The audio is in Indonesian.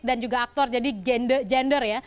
dan juga aktor jadi gender ya